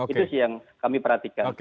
itu sih yang kami perhatikan